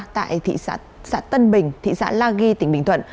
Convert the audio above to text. tại thị xã tân bình thị xã la ghi tỉnh bình thuận